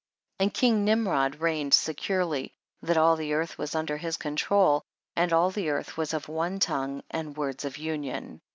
20. And king Nimrod reigned se curely, and all the earth was under his control, and all the earth was of one tongue and words of union.